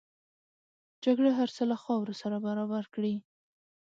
جګړه هر څه له خاورو سره برابر کړي